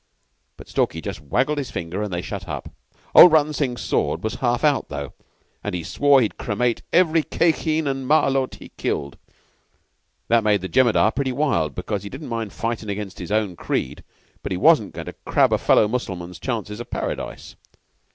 But Stalky just waggled his finger and they shut up. "Old Rutton Singh's sword was half out, though, and he swore he'd cremate every Khye Kheen and Malôt he killed. That made the Jemadar pretty wild, because he didn't mind fighting against his own creed, but he wasn't going to crab a fellow Mussulman's chances of Paradise.